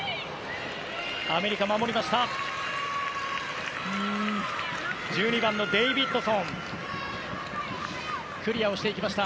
アメリカ、守りました。